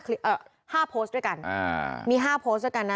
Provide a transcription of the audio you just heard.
คือห้าโพสต์ด้วยกันอ่ามีห้าโพสต์ด้วยกันนะ